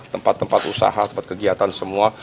tempat tempat usaha tempat kegiatan semua